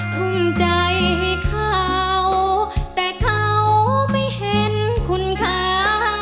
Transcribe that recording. ทุ่มใจให้เขาแต่เขาไม่เห็นคุณค้า